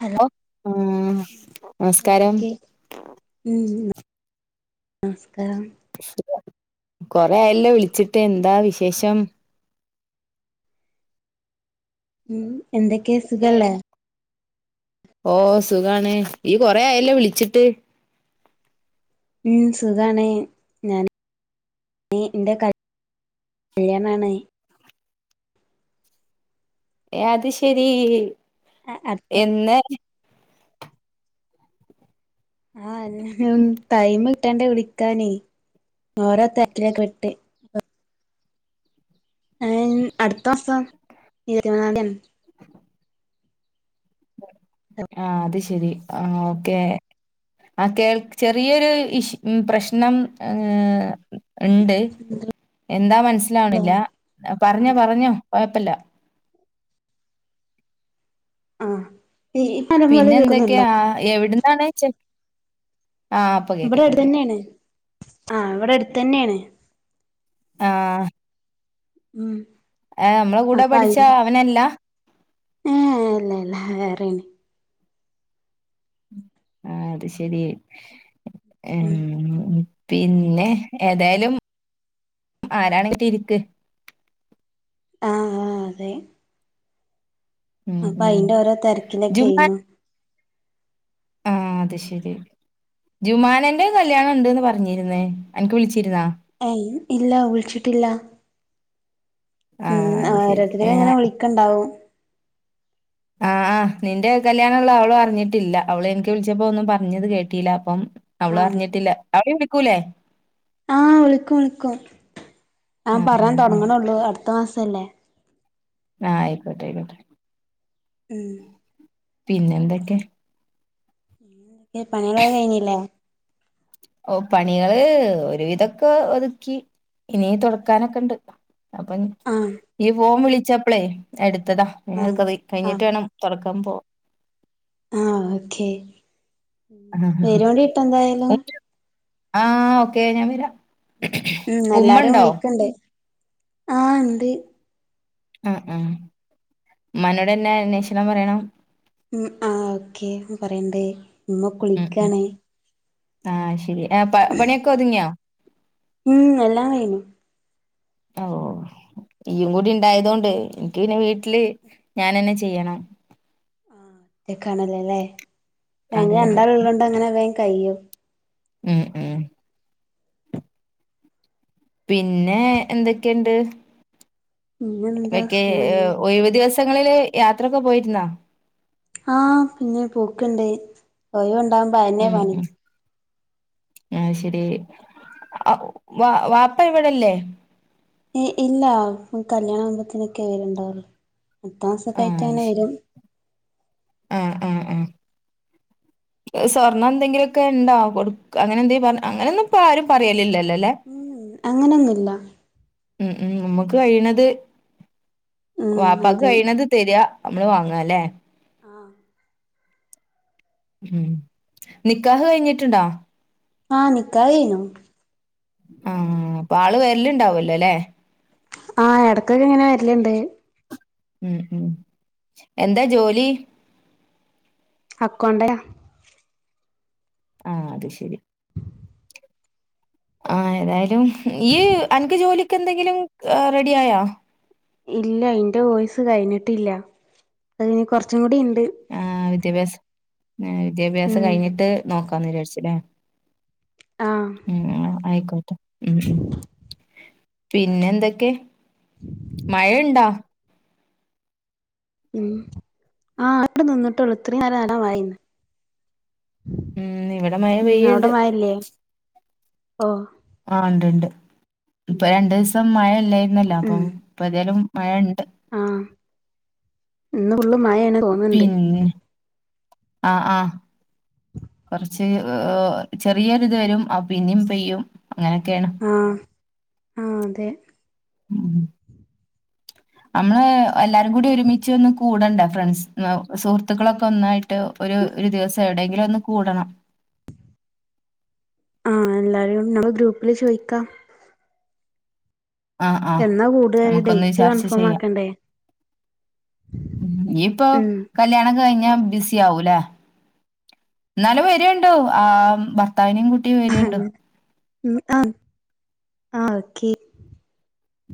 Hello ഓ ആഹ് നമസ്കാരം എന്തൊക്കെ ഉം. നമസ്കാരം കൊറേ ആയല്ലേ വിളിച്ചിട്ട് എന്താ വിശേഷം ഉം എന്തൊക്കേ സുഖല്ലേ ഓഹ് സുഖാണ് ഇയ്യ് കൊറേ ആയല്ലോ വിളിച്ചിട്ട് ഉം സുഖാണ് ഞാന് ടീ ന്റെ കല്ല്യാണാണ് ഏ അത് ശരി അടുത്ത എന്നാ ആഹ് [unintelligible] ടൈമ് കിട്ടണ്ടേ വിളിക്കാന് ഓരോ തെര്ക്കിലൊക്കെപെട്ട് ഉം അടുത്ത മാസം ഇരുപതാം തീയാണ് ആഹ് അത് ശെരി ആഹ് ഓക്കെ ആഹ് കേൾ ചെറിയൊരു ഇഷ് പ്രശ്നം ഏഹ് ഇണ്ട് എന്താ മനസ്സിലാവണില്ല തീയതിയാണ് ആഹ് പറഞ്ഞോ പറഞ്ഞോ കൊയപ്പല്ല ആഹ് ഈ [unintelligible] പോലെ കേക്കുന്നുണ്ടോ? [unintelligible] ആഹ് ഇപ്പൊ കേക്കാ ഇവിടെ അടുത്ത് കേക്കാ തന്നെയാണ് ആഹ് ഇവിടെ അടുത്തെന്നെയാണ് ആഹ് ഉം കൂടെ അപ്പൊ പഠിച്ച അയില്ല അവനല്ല ഏ ഇല്ല ഇല്ല വേറെന് ആഹ് അത് ശെരിയേ ഉം മം പിന്നെ ഏതായാലും ആരാണ്ക്കിട്ടിയിറ്ക്ക്. ആഹ് ആഹ് അതെ ഉം അപ്പൊ ഉം അയിന്റെയോരോ തെരക്കിലൊക്കെയേഴ്ന്നു. ആഹ് അത് ശെരി ജുമാനന്റെ കല്യാണം ഉണ്ടൂന്ന് പറഞ്ഞിരുന്നേ. എന്ക്ക് വിളിച്ചിരുന്നാ? ഏയ്ൻ ഇല്ല വിളിച്ചിട്ടില്ല. ആ ഉം അത് ശരി ഏ, ഒരോത്തരേയിങ്ങനെ വിളിക്കണ്ടാവും. ആഹ് ആഹ്, നിന്റെ കല്യാണൊള്ള അവളും അറിഞ്ഞിട്ടില്ല. അവള് എനിക്ക് വിളിച്ചപ്പോ ഒന്നും പറഞ്ഞത് കേട്ടില്ല. അപ്പം അവള് പറ ആഹ് ഞ്ഞിട്ടില്ല അവെര് വിളിക്കൂലേ ആഹ് വിളിക്കും വിളിക്കും. ആ ആ പറയാൻ ആ തൊടങ്ങണേള്ളൂ. അടുത്ത മാസല്ലേ. ആഹ് ആയിക്കോട്ടെ ആയിക്കോട്ടെ. ഉം പിന്നെയെന്തെക്കെ? പണികളൊക്കെ കഴിഞ്ഞില്ലേ? ഓ പണികള് ഒരുവിധൊക്കെ ഒതുക്കി. ഇനി തൊടക്കാനൊക്കെണ്ട്. അപ്പൊ ആഹ് ഈ ഫോം വിളിച്ചപ്പളേ എടുത്തതാ. ഞ് അത് ആഹ് കതി കഴിഞ്ഞിട്ട് ആഹ് വേണം തൊടക്ക അമ്പോ ആഹ് ഓക്കെ പേരുപാടിയിട്ടെന്തായാലും. ആഹ് ഓക്കെ ഞാൻ വെരാം ഉം എല്ലാരും വിളിക്കൊണ്ട് ആഹ് എന്ത്. ആ ആ ഉമ്മനോടന്നെ അന്വേഷണം പറയണം, ഉം ആ ഓക്കെ പറയണ്ടേ. ഇമ്മ ഉം ഉം കുളിക്കാണേ. ആഹ് ശെരി ആ പണിയൊക്കെ ഒതുങ്ങിയോ. ഉം എല്ലാം കഴിഞ്ഞു. ഓ ഇയും കൂടിയിണ്ടായത് കൊണ്ട് എനിക്ക് പിന്നെ വീട്ടില് ഞാനന്നെ ചെയ്യണം. ആഹ്, അത്ക്കാണല്ലേ, ല്ലേ ഞങ്ങള് അതെ അതെ രണ്ടാളോള്ളോണ്ട് അങ്ങനെ വേം കഴ്യും ഉം ഉം പിന്നെ എന്തൊക്കെയുണ്ട്? പിന്നെന്താ വെക്കേ. സുഖാണ് ഒഴിവ് ദിവസങ്ങളില് യാത്രയൊക്കെ പോയിരുന്നോ? ആഹ് പിന്നെ പൂക്കൊണ്ട്. ഒയൊണ്ടാകുമ്പോ അയ്ന്നെ ഉം പണി. ഉം ആഹ് ശെരി അവ്വ് വ വാപ്പ ഇവെടെല്ലേ? ഏയ് ഇല്ല. കല്യാണം ആകുമ്പത്തിനെക്കെയേ വെരവൊണ്ടാവുള്ളൂ. അട്ത്ത അത് മാസൊക്കായിറ്റയ്നെ ശരി വെരും. ആഹ് ആഹ് ആഹ് സ്വർണ്ണം എന്തെങ്കിലുമൊക്കെയൊണ്ടോ കൊടുക്ക അങ്ങനെ ന്തേലും പറ അങ്ങനെയൊന്നുയിപ്പയാരും പറയേലില്ലല്ലല്ലേ. ഉം അങ്ങനൊന്നുവില്ല ഉം ഉം നമ്മുക്ക് കഴിണത് ഉം ബാപ്പക്ക് അതെ കഴിണത് തെര്ക. നമ്മെള് വാങ്ങാല്ലേ ആഹ് ഉം നിക്കാഹ് കഴിഞ്ഞിട്ടുണ്ടോ? ആഹ് നിക്കാഹ് കഴിഞു ആ അപ്പൊ ആള് വെരെല്ലൊണ്ടാവുലല്ലേ. ആഹ് എടകെക്കെയിങ്ങനെ വെരലൊണ്ട്. ഉം ഉം എന്താ ജോലി? അക്കോണ്ടാ ആഹ് അത് ശെരി ആഹ് ഏതായാലും ഈയ്യ് അൻക്ക് ജോലിയൊക്കെ എന്തെങ്കിലും റെഡി ആയോ? ഇല്ല ഇന്റെ വോയിസ് കയിഞ്ഞിട്ടില്ല അത് ഇനി കൊറച്ചും കൂടി ആഹ് വിദ്യാഭ്യാസം ഏഹ് ഉം വിദ്യാഭ്യാസം കഴിഞ്ഞിട്ട് നോക്കാന്ന് വിചാരിച്ചൂല്ലേ ആഹ് ഉം ആഹ് ആയിക്കോട്ടെ ഉം ഉം പിന്നെന്തൊക്കെയാ മഴണ്ടോ ഉം ആഹ് [unintelligible] നിന്നിട്ടുള്ളൂ ഇത്രേം നേരം നല്ല മയ ആയിന് ഉം ഇവിടെ മഴ ഉം പെയ്യ്ണ്ട് അവിടെ മയല്ലേ ഓഹ് ആഹ് ഇണ്ട്ണ്ട് ഇപ്പൊ രണ്ടു ദിവസം മഴ ഇല്ലായിരുന്നല്ലോ അപ്പൊ ഉം ഇപ്പ തായാലും മഴ ഇണ്ട് ആഹ് ഇന്ന് ഫുള്ള് മായയാണ് തോന്നണ്ട് ആഹ് ആഹ് കൊറച്ച് ഏഹ് ചെറിയൊരു ഇത് വരും അപ് പിന്നേം പെയ്യും അങ്ങനൊക്കെയാണ് ആഹ് ആഹ് അതെ ഉം നമ്മള് എല്ലാരും കൂടി ഒരുമിച്ച് ഒന്ന് കൂടണ്ടെ ഫ്രണ്ട്സ് സുഹൃത്തുക്കളൊക്കെ ഒന്നായി ട്ട് ഒരു ഒരു ദിവസം എവിടെയെങ്കിലും ഒന്ന് കൂടണം ആഹ് എല്ലാരും നമ്മള് ഗ്രൂപ്പില് ചോയിക്കാം ആഹ് ആഹ് എന്നാ കൂടാ നമുക്കൊന്ന് ഡേറ്റ് ചർച്ച കൺഫേം ചെയ്യാം ആക്കണ്ടേ ഉം ഇയ്യ്പ്പൊ ഉം കല്യാണം കഴിഞ്‌ ബിസി ആവൂല്ലേ ന്നാലും വരേണ്ടൂ ർത്താവിനേം കൂട്ടി വരേണ്ടു അങ്ങനെ ഉം ആഹ് ആഹ് ഓക്കെ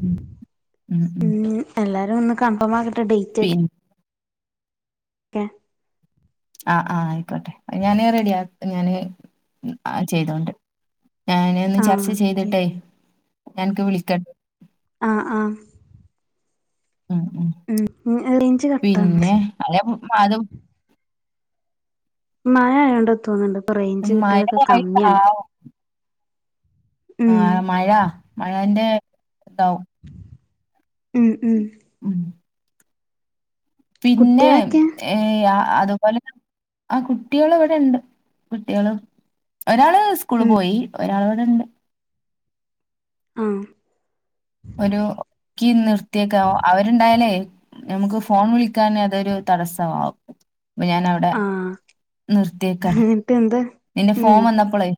ഉം ഉം ഉം ഒന്ന് കൺഫേം ആക്കട്ടെ ഡേറ്റ് പിന്നെ ക്കെ ആഹ് ആഹ് ആയിക്കോട്ടെ അഹ് ഞാന് റെഡി ആക്ക് ഞാന് ചെയ്തോണ്ട് ഞാനൊന്ന് ആഹ് ചർച്ച ഓക്കെ ചെയ്തിട്ടെ അനക്ക് വിളിക്കണ്ട് ആഹ് ആഹ് ഉം ഉം ഉം റേഞ്ച് കട്ടാവ്ണ്ട് പിന്നെ [unintelligible] മയ ആയോണ്ട തോന്നുണ്ട് ഇപ്പൊ റേഞ്ച് മഴ കിട്ടലൊക്കെ കമ്മിയാണ് ആയിട്ടാവും ഉം ആഹ് മഴ മഴന്റെ ഇതാവും ഉം ഉം ഉം പിന്നെ കുട്ട്യാളൊക്കെ ഏഹ് ആ അതുപോലെ ആ കുട്ടികള് ഇവിടെ ഉണ്ട് കുട്ടികള് ഒരാള് സ്കൂള് ഉം പോയി ഒരാള് ഇവിടെണ്ട് ആഹ് ഒരു ക്കി നിർത്തിയക്ക അവരുണ്ടായാലേ നമുക്ക് ഫോൺ വിളിക്കാനെ അതൊരു തടസ്സമാവും അപ്പൊ ഞാൻ അവടെ ആഹ് നിർത്തിയേക്കാണ് എന്നിട്ട് എന്താ നിന്റെ ഉം ഫോം വന്നപ്പളേ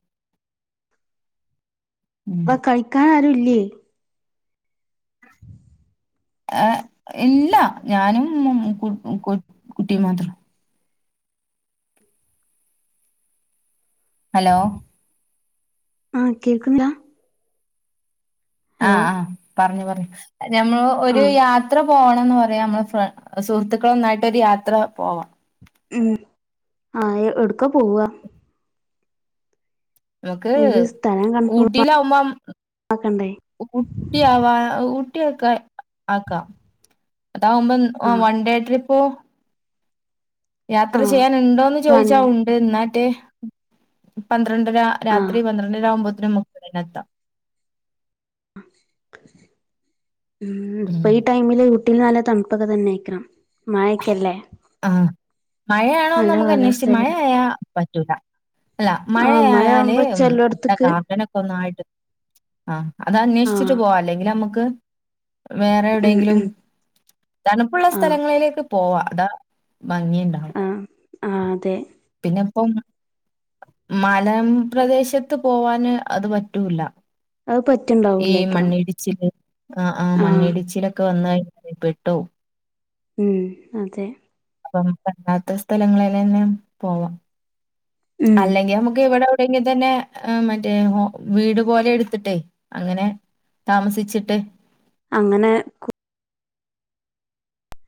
അവ കയിക്കാൻ ആരുല്ലേ ഏർ ഇല്ല ഞാനും മ് മ് കു കു കുട്ടിയും മാത്രം ഹലോ ആഹ് കേക്ക് താ ആഹ് ആഹ് പറഞ്ഞു പറഞ്ഞു ഞമ്മൾ ഒരു ആഹ് യാത്ര പോണംന്ന് പറയാ നമ്മള് സുഹൃത്തുക്കള് ഒന്നായിട്ടൊരു യാത്ര പോവാം ഉം ആ എടുക്ക പോവാ നമുക്ക് ഇത് സ്ഥലം കൺഫേം ഊട്ടിയിലാവുമ്പം ആക്കണ്ടേ ഊട്ടിയാവാ ഊട്ടിക്കെ ആക്കാം അതാകുംമ്പോ ആഹ് വൺണ്ടേ ട്രിപ്പോ യാത്ര ആഹ് ചെയ്യാാനുണ്ടോന്ന് വൺ ചോദിച്ചാ ഉണ്ട് എന്നാട്ട് പന്ത്ര പന്ത്രണ്ടര ആഹ് രാത്രി പന്ത്രണ്ടരവുമ്പോത്തിനന് മുപ്പതിനന എത്താം ഉം പൈ ടൈമില് വീട്ടിൽ നല്ല തണുപ്പൊക തന്നൊയിക്കണം മഴേക്കല്ലേ ആഹ് മഴയാണോന്ന് നമുക്ക് അന്വേഷിച്ച് മഴ ആയാ പറ്റൂല അല്ല ആഹ് മഴ മഴയായല് ആവുമ്പോ അമ്മടെ ചെലോട്ത്ത്ക്ക് ഗാർഡനൊക്കെ ഒന്നായിട്ട് ആഹ് അത് അന്വേഷിച്ചിട്ട് ആഹ് പോവാ അല്ലെങ്കിൽ നമുക്ക് വേറെ ഉം എവിടെെങ്കിലും ഉം തണുപ്പുള്ള ആഹ് സ്ഥലങ്ങളില് പോവാ അതാ ഭങ്ങിണ്ടാവ ആഹ് ആഹ് അതെ പിന്നെ അപ്പം മലം പ്രദേശത്ത് പോവാന് അത് പറ്റൂല്ല അത് ഈ പറ്റ്ണ്ടാവൂലേക്കാരം മണ്ണിടിച്ചിൽ ആ ആ ആഹ് മണ്ണിടിച്ചിലൊക്കെ വന്ന പ്പെട്ടു ഉം അതെ അപ്പ പണ്ടാത്ത സ്ഥലങ്ങളിൽ തന്നെ പോവാം ഉം അല്ലെങ്കിൽ നമുക്ക് ഇവിടെ എങ്കി തന്നെ മറ്റേ വീട് പോലെ എടുത്തിട്ടേ അങ്ങനെ താമസിച്ചിട്ട് അങ്ങനെ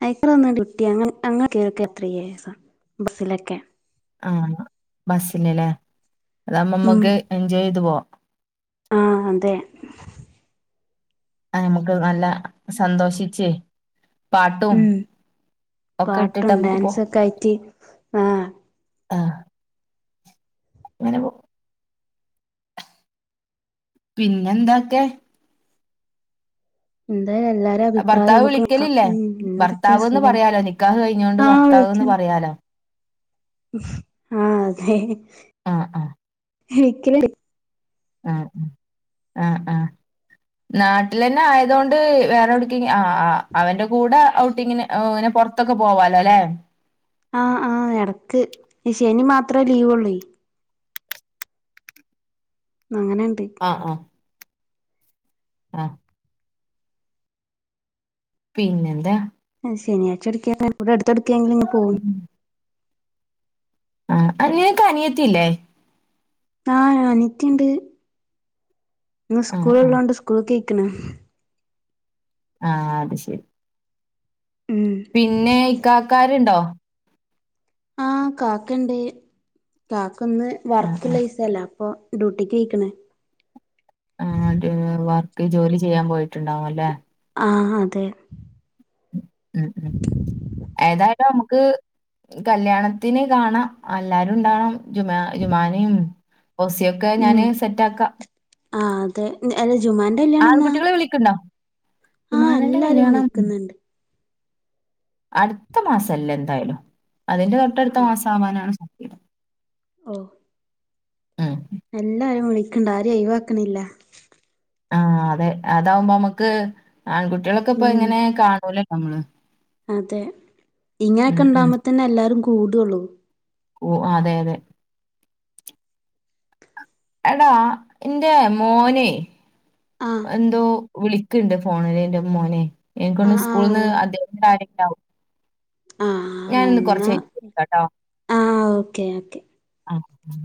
അഐക്കളൊന്ന് ഡ്യട്ടി അങ്ങ കേർക്ക എത്രയസം ബസ്സിലൊക്കെ ആഹ് ബസിനല്ലേ അതാകുമ്പോ ഉം നമ്മുക്ക് എൻജോയ് ചെയ്ത് പോവാ ആഹ് അതെ ആ നമുക്ക് നല്ല സന്തോഷിച്ചേ ഉം ഇട്ടിട്ട് പാട്ടും നമുക്ക് പോ ഡാൻസൊക്കായിട്ട് ആഹ് ആഹ് അങ്ങനെ പോ പിന്നെന്തൊക്കെ എന്തായാലും എല്ലാരും അഭിപ്രായം ഭർത്താവ് നമുക്ക് നോക്കാം വിളിക്കലില്ലേ ഉം എന്തൊക്കെയാ ഭർത്താവ് എന്ന് സുഖം പറയാലോ നിക്കാഹ് കഴിഞ്ഞൊണ്ട് ആഹ് ഭർത്താവ് എന്ന് വിളിക്കണം പറയാലോ ആഹ് അതെ ആഹ് ആഹ് എനിക്ക് ആ ആ ആ നാട്ടിൽ തന്നെ ആയതുകൊണ്ട് വേറെ എവ്ടുക്കെ ആഹ് ആ് അവന്റെ കൂടെ ഔട്ടിങ്ങിന് ഇങ്ങനെ പൊറത്തൊക്കെ പോവാലോ അല്ലെ ആഹ് ആഹ് എടക്ക് ഈ ശനി മാത്രേ ലീവ്ള്ളേ അങ്ങനെണ്ട് ആഹ് ആഹ് ആഹ് പിന്നെന്താ ശനിയാഴ്ച എടക്ക ഇവിടെ അടുത്ത്ടുക്കാെങ്കിൽ ഇങ് പോകും ആ അന്ക്ക് അനിയത്തില്ലേ ആ അനത്യുണ്ട് ഇ ആഹ് സ്കൂള ആഹ് ഉള്ളതോണ്ട് സ്കൂൾ കേ പിക്കന ആഹ് അത് ശരി ഉം പിന്നെ ഇ കാക്കാരുണ്ടോ ആഹ് കാക്കണ്ട് കാക്ക ഒന്ന് ആഹ് ആഹ് വർക്ക്ള്ളൈസല്ല അപ്പൊ ഡ്യൂട്ടിക്ക്ക്കണ് ആ വർക്ക് ജോലി ചെയ്യാൻ പോയിട്ടുണ്ടാവും അല്ലെ ആ അതെ ഉം ഉം ഏതായാലും നമുക്ക് കല്യാണത്തിൻ കാണാം എല്ലാരും ഉണ്ടാണം ജുമാ ജുമാനിം ഫൗസി യൊക്കെ ഞാന് ഉം സെറ്റ ആക്കാം ആഹ് അതെ അല്ല ജുമാന്റെ കല്യാണം ആൺ എന്നാ കുട്ടികളെ വിളിക്ക് ണ്ടോ ആഹ് ജുമാനന്റെ എല്ലാരും കല്യാണം വിളിക്കുന്നുണ്ട് അടുത്ത മാസല്ല എന്താലും അതിന്റെ തൊട്ടടുത്ത മാസം ആവാനാണ് സധ്യത ഓഹ് ഉമ് എല്ലാരും വിളിക്കണ്ട് ആരിം ഒഴിവാക്ക്ണില്ല ആഹ് അതെ അതാവുമ്പോ നമ്മുക്ക് ആൺ കുട്ടികളൊക്കെ ഇപ്പൊ ഉം എങ്ങനെ കാണൂലലോ നമ്മള് അതെ ഉം ഇങ്ങനെയൊക്കെ ഇണ്ടാവുമ്പോ ത്തന്നെ എല്ലാരും കൂടുള്ളൂ കൂ അതെ അതെ എടാ ഇന്റെ മോനെ ആഹ് എന്തോ വിളിക്ക്ണ്ട് ഫോണില് ഇന്റെ മോനെ എനിക്കൊന്ന് ആഹ് സ്കൂൾന്ന് ആഹ് അദ്ദേഹത്തിന്റെ കാര്യണ്ടാവും ഞാൻ ആഹ് ഇന്ന് കൊറച്ചയിഞ്ഞിട്ട് വിളിക്കാട്ടോ ഒക്കെ ഒക്കെ ആഹ്